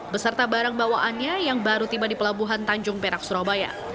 beserta barang bawaannya yang baru tiba di pelabuhan tanjung perak surabaya